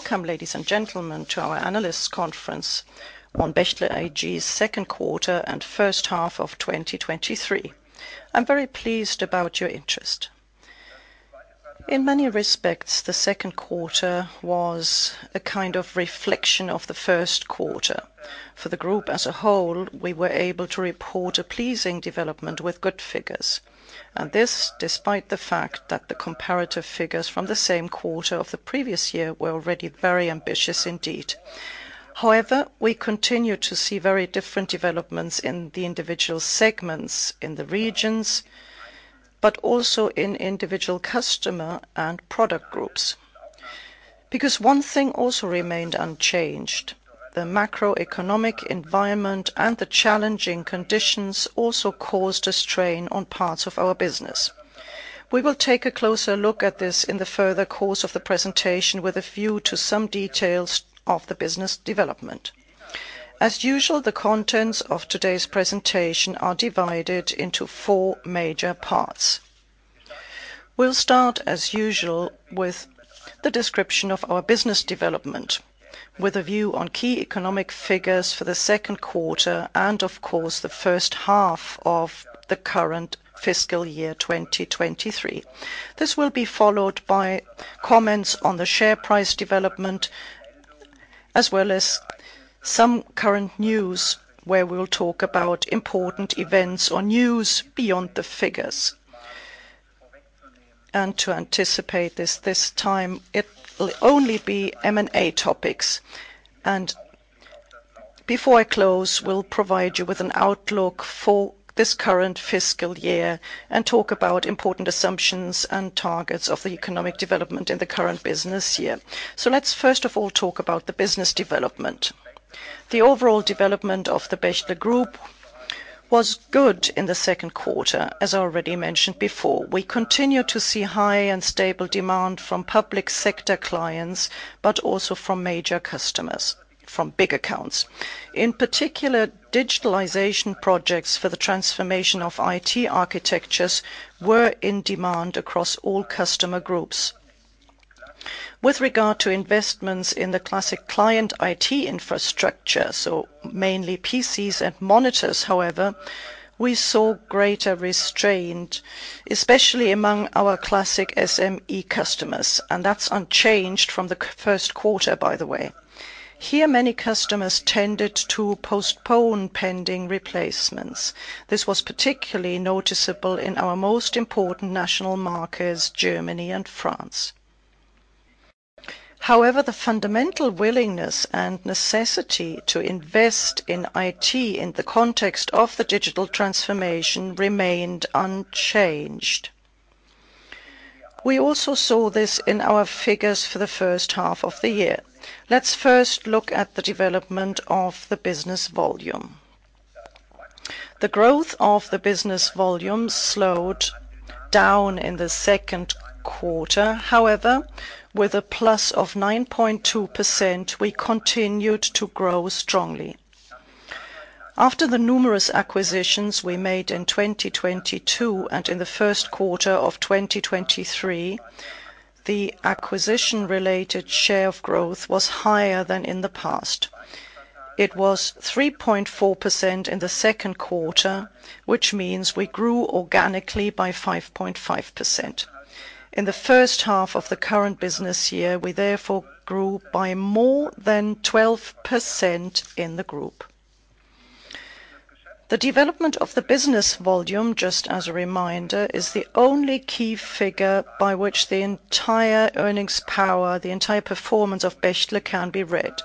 Welcome, ladies and gentlemen, to our Analysts' Conference on Bechtle AG's Q2 and H1 of 2023. I'm very pleased about your interest. In many respects, the Q2 was a kind of reflection of the Q1. For the group as a whole, we were able to report a pleasing development with good figures, and this despite the fact that the comparative figures from the same quarter of the previous year were already very ambitious indeed. We continue to see very different developments in the individual segments in the regions, but also in individual customer and product groups. One thing also remained unchanged: the macroeconomic environment and the challenging conditions also caused a strain on parts of our business. We will take a closer look at this in the further course of the presentation, with a view to some details of the business development. As usual, the contents of today's presentation are divided into four major parts. We'll start, as usual, with the description of our business development, with a view on key economic figures for the second quarter and, of course, the first half of the current fiscal year, 2023. This will be followed by comments on the share price development as well as some current news where we will talk about important events on news beyond the figures, and to anticipate this, this time it will only be M&A topics, and before I close, we'll provide you with an outlook for this current fiscal year and talk about important assumptions and targets of the economic development in the current business year. Let's first of all talk about the business development. The overall development of the Bechtle Group was good in the second quarter. As I already mentioned before, we continue to see high and stable demand from public sector clients, but also from major customers, from big accounts. In particular, digitalization projects for the transformation of IT architectures were in demand across all customer groups. With regard to investments in the classic client IT infrastructure, so mainly PCs and monitors, however, we saw greater restraint, especially among our classic SME customers, and that's unchanged from the first quarter, by the way. Here, many customers tended to postpone pending replacements. This was particularly noticeable in our most important national markets, Germany and France. However, the fundamental willingness and necessity to invest in IT in the context of the digital transformation remained unchanged. We also saw this in our figures for the first half of the year. Let's first look at the development of the business volume. The growth of the business volume slowed down in the Q2. However, with a plus of 9.2%, we continued to grow strongly. After the numerous acquisitions we made in 2022 and in the Q1 of 2023, the acquisition-related share of growth was higher than in the past. It was 3.4% in the Q2, which means we grew organically by 5.5%. In the first half of the current business year, we therefore grew by more than 12% in the group. The development of the business volume, just as a reminder, is the only key figure by which the entire earnings power, the entire performance of Bechtle, can be read.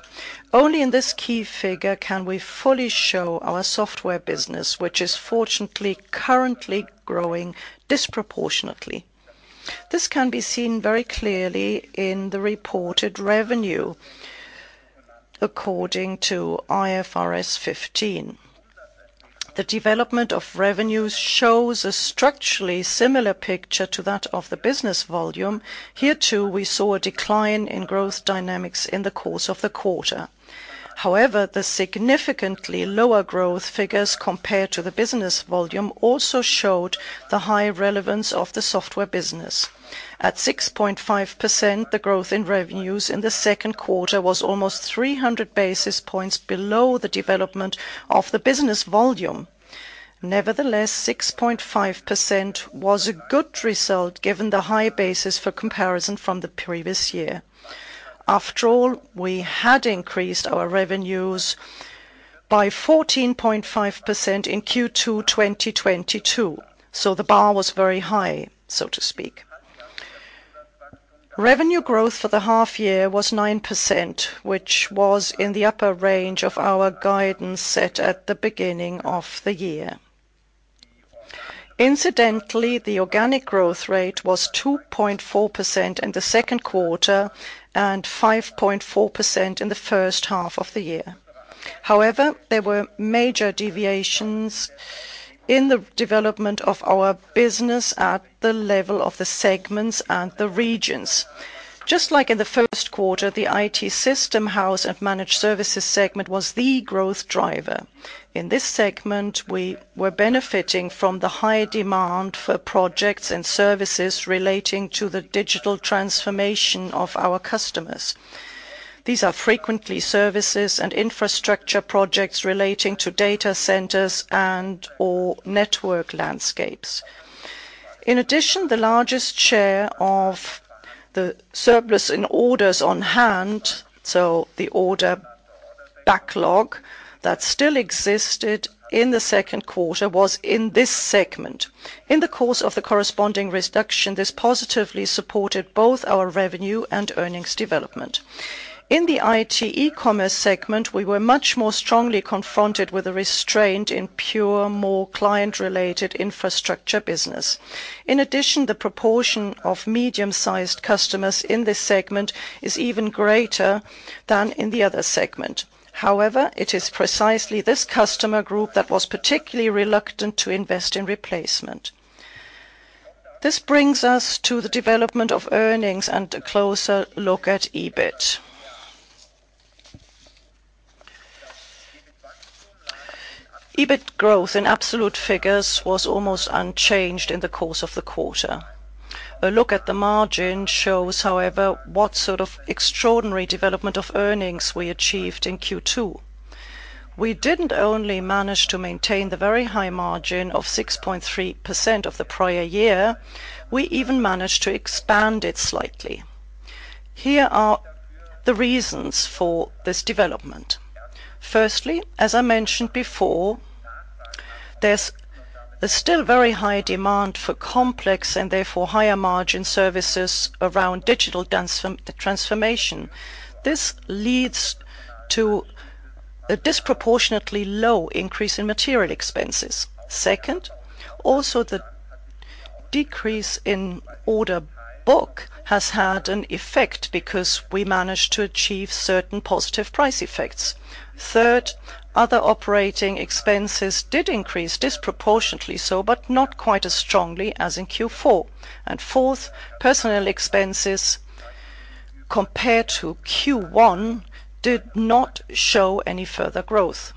Only in this key figure can we fully show our software business, which is fortunately currently growing disproportionately. This can be seen very clearly in the reported revenue according to IFRS 15. The development of revenues shows a structurally similar picture to that of the business volume. Here, too, we saw a decline in growth dynamics in the course of the quarter. However, the significantly lower growth figures compared to the business volume also showed the high relevance of the software business. At 6.5%, the growth in revenues in the second quarter was almost 300 basis points below the development of the business volume. Nevertheless, 6.5% was a good result, given the high basis for comparison from the previous year. After all, we had increased our revenues by 14.5% in Q2 2022, so the bar was very high, so to speak. Revenue growth for the half year was 9%, which was in the upper range of our guidance set at the beginning of the year. Incidentally, the organic growth rate was 2.4% in Q2 and 5.4% in the first half of the year. However, there were major deviations in the development of our business at the level of the segments and the regions. Just like in Q1, the IT System House & Managed Services segment was the growth driver. In this segment, we were benefiting from the high demand for projects and services relating to the digital transformation of our customers. These are frequently services and infrastructure projects relating to data centers and or network landscapes. In addition, the largest share of the surplus in orders on hand, so the order backlog that still existed in Q2, was in this segment. In the course of the corresponding reduction, this positively supported both our revenue and earnings development. In the IT E-Commerce segment, we were much more strongly confronted with a restraint in pure, more client-related infrastructure business. In addition, the proportion of medium-sized customers in this segment is even greater than in the other segment. However, it is precisely this customer group that was particularly reluctant to invest in replacement. This brings us to the development of earnings and a closer look at EBIT. EBIT growth in absolute figures was almost unchanged in the course of the quarter. A look at the margin shows, however, what sort of extraordinary development of earnings we achieved in Q2. We didn't only manage to maintain the very high margin of 6.3% of the prior year, we even managed to expand it slightly. Here are the reasons for this development. Firstly, as I mentioned before, there's a still very high demand for complex and therefore higher margin services around digital transformation. This leads to a disproportionately low increase in material expenses. Second, also the decrease in order book has had an effect because we managed to achieve certain positive price effects. Third, other operating expenses did increase, disproportionately so, but not quite as strongly as in Q4. Fourth, personnel expenses, compared to Q1, did not show any further growth.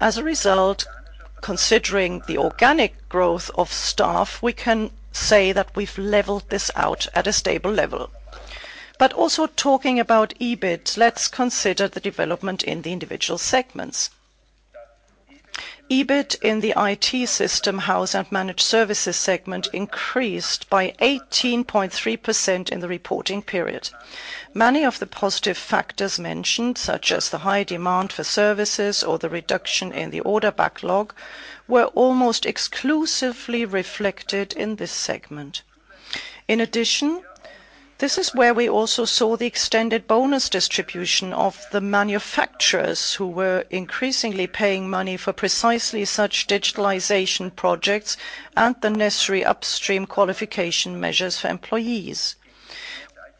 As a result, considering the organic growth of staff, we can say that we've leveled this out at a stable level. Also talking about EBIT, let's consider the development in the individual segments. EBIT in the IT System House & Managed Services segment increased by 18.3% in the reporting period. Many of the positive factors mentioned, such as the high demand for services or the reduction in the order backlog, were almost exclusively reflected in this segment. In addition, this is where we also saw the extended bonus distribution of the manufacturers, who were increasingly paying money for precisely such digitalization projects and the necessary upstream qualification measures for employees.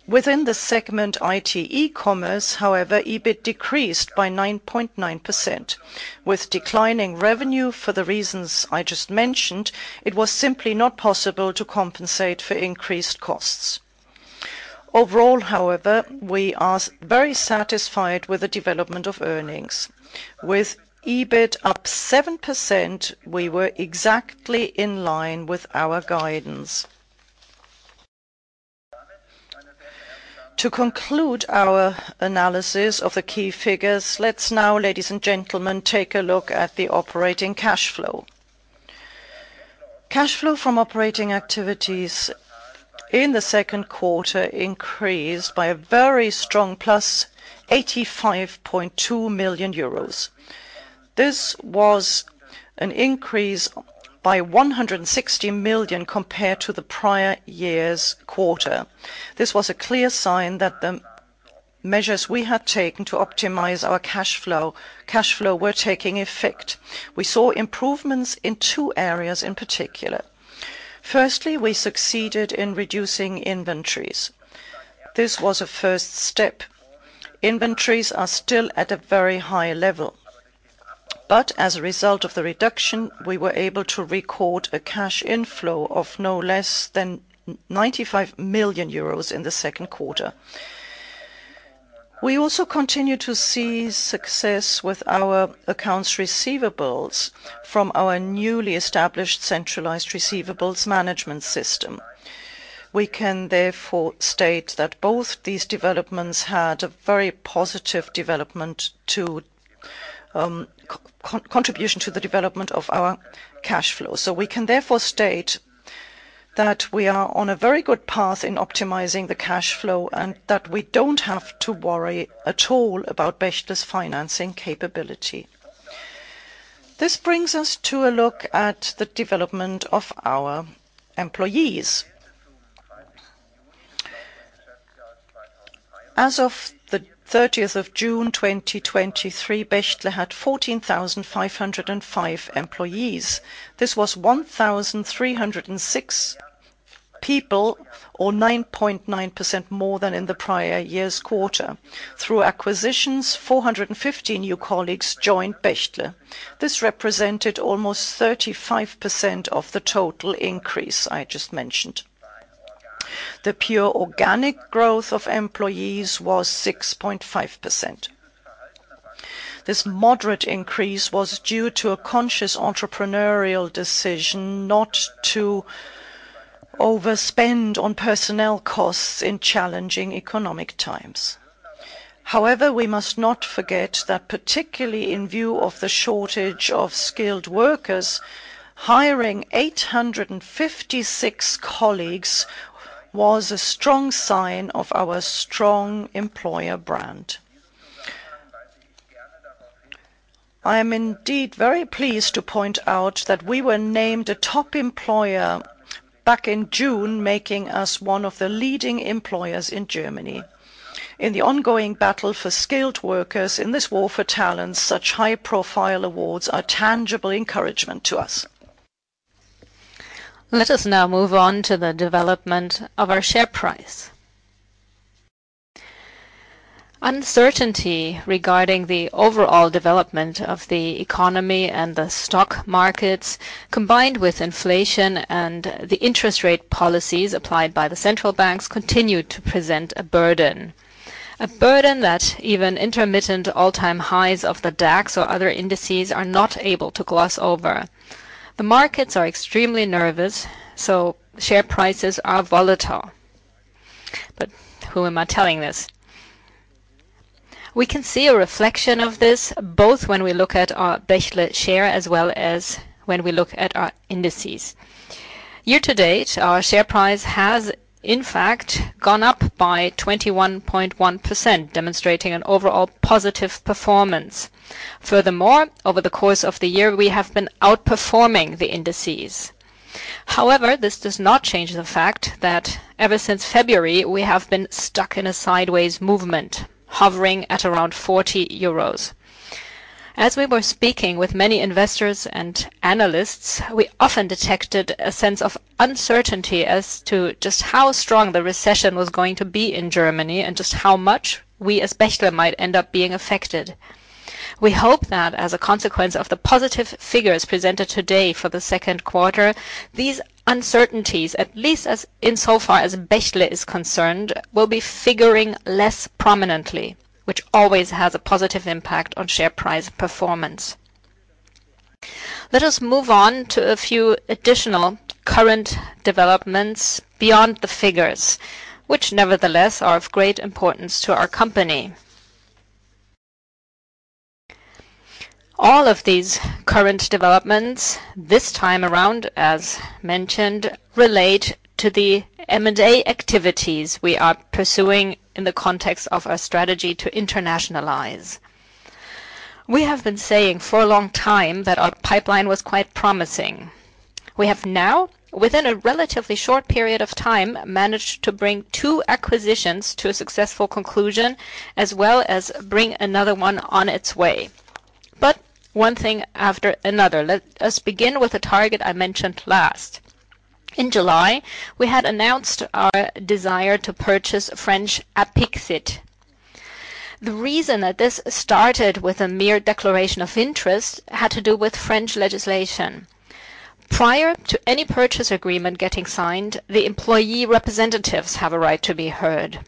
Within the segment, IT E-Commerce, however, EBIT decreased by 9.9%. With declining revenue, for the reasons I just mentioned, it was simply not possible to compensate for increased costs. Overall, however, we are very satisfied with the development of earnings. With EBIT up 7%, we were exactly in line with our guidance. To conclude our analysis of the key figures, let's now, ladies and gentlemen, take a look at the operating cash flow. Cash flow from operating activities in the second quarter increased by a very strong +85.2 million euros. This was an increase by 160 million compared to the prior year's quarter. This was a clear sign that the measures we had taken to optimize our cash flow, cash flow were taking effect. We saw improvements in two areas in particular. Firstly, we succeeded in reducing inventories. This was a first step. Inventories are still at a very high level, but as a result of the reduction, we were able to record a cash inflow of no less than 95 million euros in the second quarter. We also continue to see success with our accounts receivables from our newly established centralized receivables management system. We can therefore state that both these developments had a very positive development to contribution to the development of our cash flow. We can therefore state that we are on a very good path in optimizing the cash flow, and that we don't have to worry at all about Bechtle's financing capability. This brings us to a look at the development of our employees. As of the 30th of June, 2023, Bechtle had 14,505 employees. This was 1,306 people, or 9.9% more than in the prior year's quarter. Through acquisitions, 450 new colleagues joined Bechtle. This represented almost 35% of the total increase I just mentioned. The pure organic growth of employees was 6.5%. This moderate increase was due to a conscious entrepreneurial decision not to overspend on personnel costs in challenging economic times. However, we must not forget that particularly in view of the shortage of skilled workers, hiring 856 colleagues was a strong sign of our strong employer brand. I am indeed very pleased to point out that we were named a Top Employer back in June, making us one of the leading employers in Germany. In the ongoing battle for skilled workers, in this war for talent, such high-profile awards are tangible encouragement to us. Let us now move on to the development of our share price. Uncertainty regarding the overall development of the economy and the stock markets, combined with inflation and the interest rate policies applied by the central banks, continued to present a burden, a burden that even intermittent all-time highs of the DAX or other indices are not able to gloss over. Share prices are volatile. Who am I telling this? We can see a reflection of this, both when we look at our Bechtle share as well as when we look at our indices. Year to date, our share price has, in fact, gone up by 21.1%, demonstrating an overall positive performance. Furthermore, over the course of the year, we have been outperforming the indices. However, this does not change the fact that ever since February, we have been stuck in a sideways movement, hovering at around 40 euros. As we were speaking with many investors and analysts, we often detected a sense of uncertainty as to just how strong the recession was going to be in Germany and just how much we, as Bechtle, might end up being affected. We hope that as a consequence of the positive figures presented today for the second quarter, these uncertainties, at least as insofar as Bechtle is concerned, will be figuring less prominently, which always has a positive impact on share price performance. Let us move on to a few additional current developments beyond the figures, which nevertheless are of great importance to our company. All of these current developments, this time around, as mentioned, relate to the M&A activities we are pursuing in the context of our strategy to internationalize. We have been saying for a long time that our pipeline was quite promising. We have now, within a relatively short period of time, managed to bring two acquisitions to a successful conclusion, as well as bring another one on its way. One thing after another. Let us begin with the target I mentioned last. In July, we had announced our desire to purchase French Apixit. The reason that this started with a mere declaration of interest had to do with French legislation. Prior to any purchase agreement getting signed, the employee representatives have a right to be heard.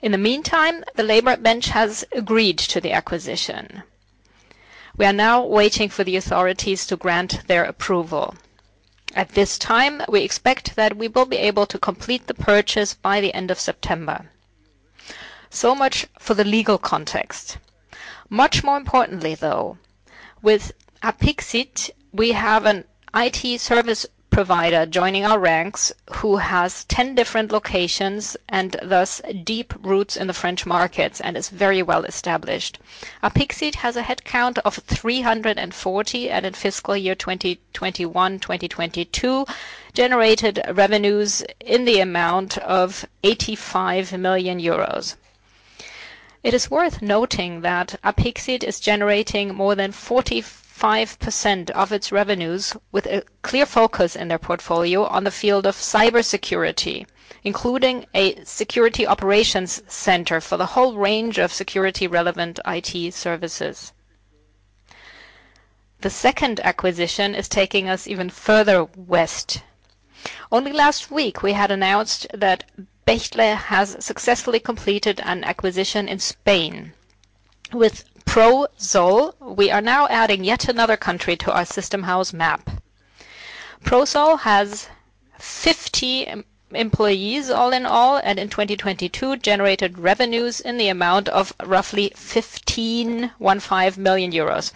In the meantime, the labor bench has agreed to the acquisition. We are now waiting for the authorities to grant their approval. At this time, we expect that we will be able to complete the purchase by the end of September. Much for the legal context. Much more importantly, though, with Apixit, we have an IT service provider joining our ranks, who has 10 different locations and thus deep roots in the French markets and is very well established. Apixit has a headcount of 340, and in fiscal year 2021, 2022, generated revenues in the amount of 85 million euros. It is worth noting that Apixit is generating more than 45% of its revenues with a clear focus in their portfolio on the field of cybersecurity, including a security operations center for the whole range of security-relevant IT services. The second acquisition is taking us even further west. Only last week, we had announced that Bechtle has successfully completed an acquisition in Spain. With Prosol, we are now adding yet another country to our system house map. Prosol has 50 employees all in all, and in 2022, generated revenues in the amount of roughly 15 million euros.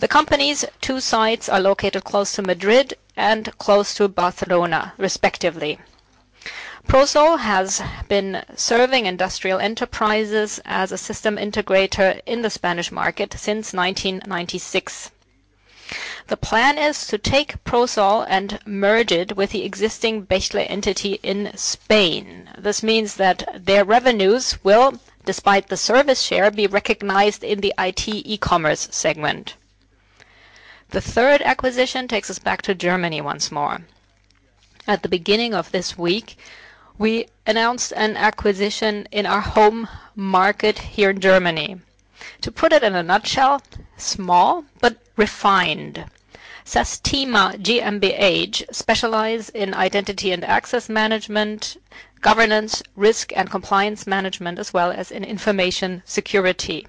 The company's two sites are located close to Madrid and close to Barcelona, respectively. Prosol has been serving industrial enterprises as a system integrator in the Spanish market since 1996. The plan is to take Prosol and merge it with the existing Bechtle entity in Spain. This means that their revenues will, despite the service share, be recognized in the IT E-Commerce segment. The third acquisition takes us back to Germany once more. At the beginning of this week, we announced an acquisition in our home market here in Germany. To put it in a nutshell, small but refined, Sastema GmbH specialize in Identity & Access Management, Governance, Risk & Compliance Management, as well as in information security.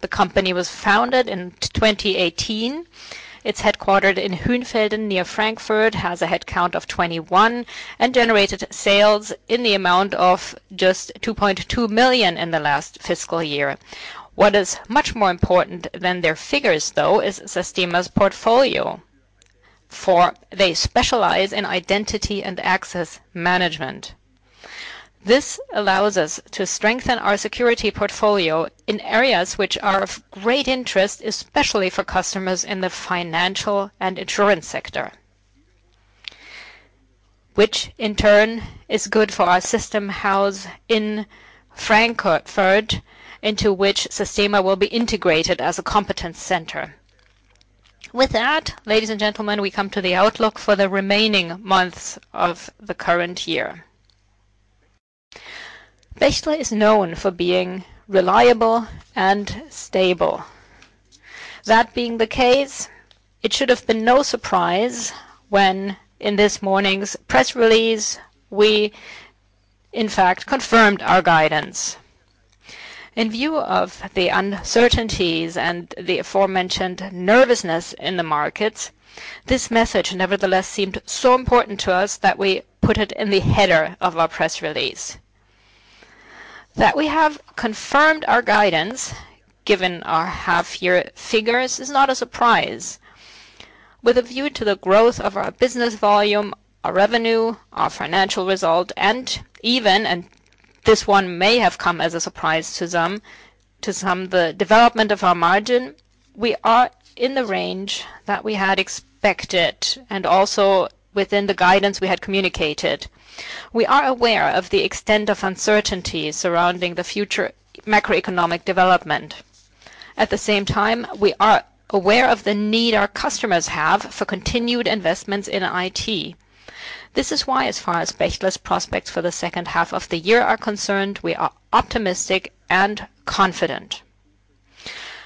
The company was founded in 2018. It's headquartered in Hünfelden, near Frankfurt, has a headcount of 21, and generated sales in the amount of just 2.2 million in the last fiscal year. What is much more important than their figures, though, is Sastema's portfolio, for they specialize in Identity & Access Management. This allows us to strengthen our security portfolio in areas which are of great interest, especially for customers in the financial and insurance sector, which in turn is good for our system house in Frankfurt, into which Sastema will be integrated as a competence center. With that, ladies and gentlemen, we come to the outlook for the remaining months of the current year. Bechtle is known for being reliable and stable. That being the case, it should have been no surprise when, in this morning's press release, we, in fact, confirmed our guidance. In view of the uncertainties and the aforementioned nervousness in the markets, this message, nevertheless, seemed so important to us that we put it in the header of our press release. That we have confirmed our guidance, given our half-year figures, is not a surprise. With a view to the growth of our business volume, our revenue, our financial result, and even, and this one may have come as a surprise to some, to some, the development of our margin, we are in the range that we had expected and also within the guidance we had communicated. We are aware of the extent of uncertainty surrounding the future macroeconomic development. At the same time, we are aware of the need our customers have for continued investments in IT. This is why, as far as Bechtle's prospects for the second half of the year are concerned, we are optimistic and confident.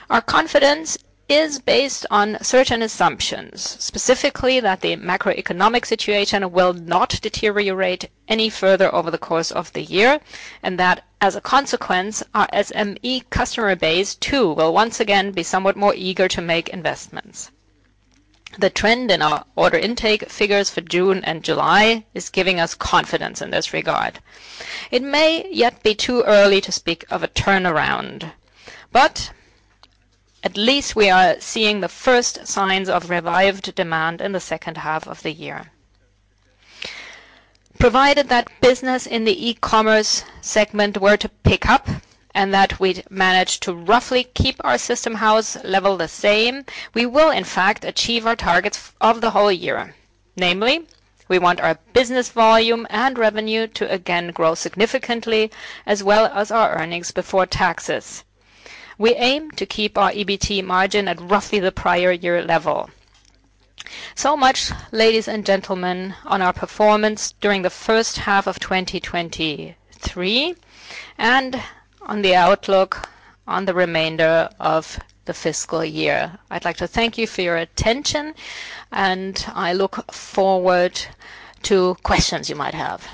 Our confidence is based on certain assumptions, specifically, that the macroeconomic situation will not deteriorate any further over the course of the year, and that as a consequence, our SME customer base, too, will once again be somewhat more eager to make investments. The trend in our order intake figures for June and July is giving us confidence in this regard. It may yet be too early to speak of a turnaround, but at least we are seeing the first signs of revived demand in the second half of the year. Provided that business in the e-commerce segment were to pick up and that we'd manage to roughly keep our system house level the same, we will, in fact, achieve our targets of the whole year. Namely, we want our business volume and revenue to again grow significantly, as well as our earnings before taxes. We aim to keep our EBT margin at roughly the prior year level. Much, ladies and gentlemen, on our performance during the first half of 2023 and on the outlook on the remainder of the fiscal year. I'd like to thank you for your attention, and I look forward to questions you might have.